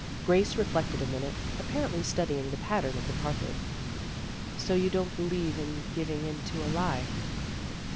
Grace reflected a minute, apparently studying the pattern of the carpet. " So you don't believe in giving in to a lie."